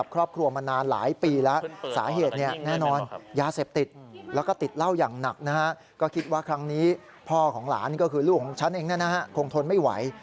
คือลูกของฉันเองน่าคงทนไม่ไหว